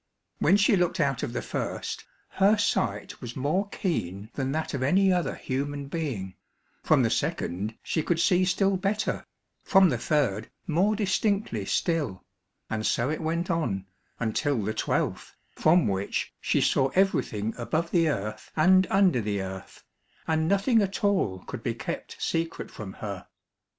When she looked out of the first, her sight was more keen than that of any other human being; from the second she could see still better, from the third more distinctly still, and so it went on, until the twelfth, from which she saw everything above the earth and under the earth, and nothing at all could be kept secret from her.